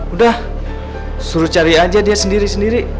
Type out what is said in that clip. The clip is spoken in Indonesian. udah suruh cari aja dia sendiri sendiri